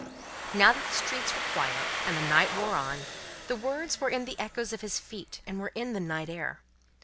Now, that the streets were quiet, and the night wore on, the words were in the echoes of his feet, and were in the air.